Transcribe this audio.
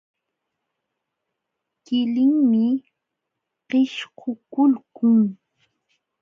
Qilinmi qisququlqun.